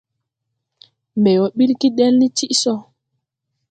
Mbɛ wɔ ɓil gedel ni tiʼ so.